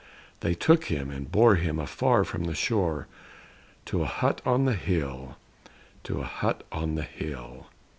They took him and bore him afar from the shore, To a hut on the hill; to a hut on the hill.